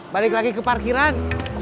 balik lagi ke parkiran